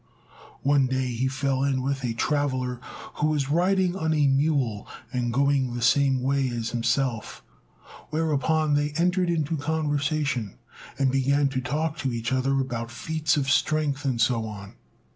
One day he fell in with a traveller who was riding on a mule and going the same way as himself; whereupon they entered into conversation, and began to talk to each other about feats of strength and so on.